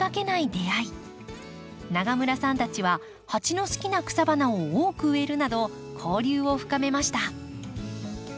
永村さんたちはハチの好きな草花を多く植えるなど交流を深めました。